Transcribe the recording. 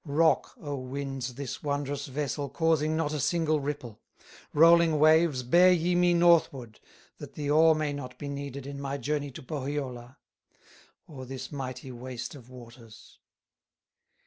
"Rock, O winds, this wondrous vessel, Causing not a single ripple; Rolling waves, bear ye me northward, That the oar may not be needed In my journey to Pohyola, O'er this mighty waste of waters."